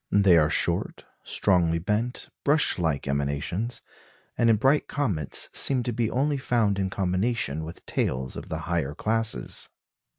They are short, strongly bent, brush like emanations, and in bright comets seem to be only found in combination with tails of the higher classes.